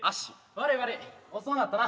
悪い悪い遅うなったな。